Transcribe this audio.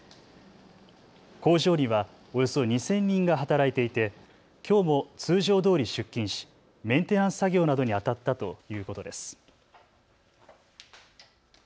工場にはおよそ２０００人が働いていて、きょうも通常どおり出勤しメンテナンス作業などにあたったということです。